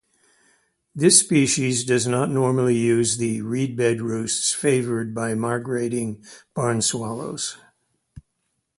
This species does not normally use the reed-bed roosts favoured by migrating barn swallows.